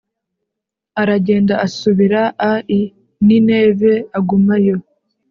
aragenda asubira a i Nineve agumayo